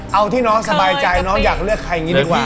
เอาที่น้องสบายใจน้องอยากเลือกใครอย่างนี้ดีกว่า